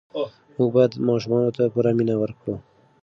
موږ باید ماشومانو ته پوره مینه ورکړو.